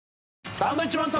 サンドウィッチマンと。